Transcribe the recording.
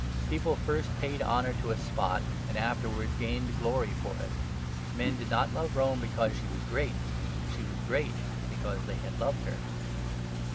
People first paid honour to a spot and afterwards gained glory for it. Men did not love Rome because she was great. She was great because they had loved her.